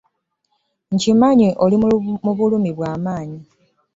Nkimanyi oli mu bulumi bw'amanyi.